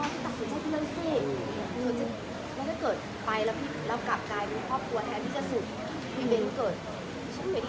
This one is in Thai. แล้วถ้าเกิดเลยไปแล้วเรากลับกลายเป็นครอบครัวแท้ที่สุด